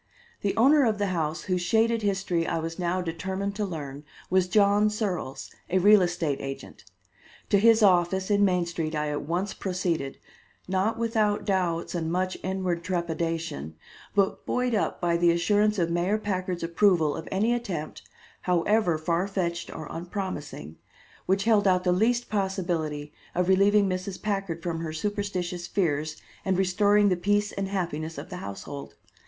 The owner of the house whose shaded history I was now determined to learn was John Searles, a real estate agent. To his office in Main Street I at once proceeded, not without doubts and much inward trepidation, but buoyed up by the assurance of Mayor Packard's approval of any attempt, however far fetched or unpromising, which held out the least possibility of relieving Mrs. Packard from her superstitious fears and restoring the peace and happiness of the household.